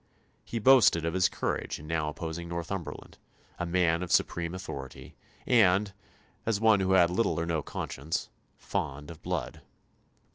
He boasted of his courage in now opposing Northumberland a man of supreme authority, and as one who had little or no conscience fond of blood.